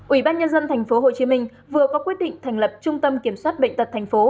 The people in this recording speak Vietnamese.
ủy ban nhân dân tp hcm vừa có quyết định thành lập trung tâm kiểm soát bệnh tật tp